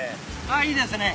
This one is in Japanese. あっいいですね。